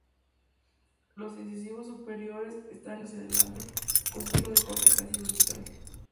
Los incisivos superiores están inclinados hacia adelante, con su filo de corte casi vertical.